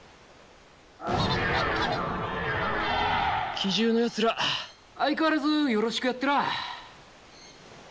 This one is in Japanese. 奇獣のやつら相変わらずよろしくやってらあ。